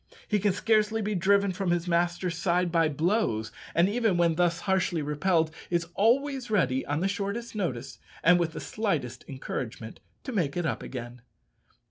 He can scarcely be driven from his master's side by blows; and even when thus harshly repelled, is always ready, on the shortest notice and with the slightest encouragement, to make it up again.